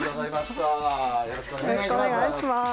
よろしくお願いします。